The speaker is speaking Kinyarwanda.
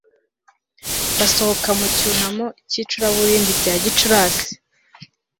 basohoka mu cyunamo k'icuraburindi rya gicurasi